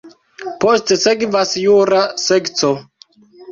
Poste sekvas jura sekco.